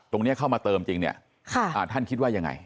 ตรงนี้เข้ามาเติมจริงเนี่ยท่านคิดว่ายังไง